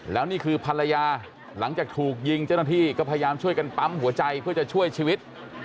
แล้วนี่คือภรรยาหลังจากถูกยิงเจ้าหน้าที่ก็พยายามช่วยกันปั๊มหัวใจเพื่อจะช่วยชีวิต